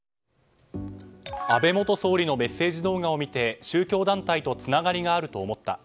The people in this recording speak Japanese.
安倍元総理のメッセージ動画を見て宗教団体とつながりがあると思った。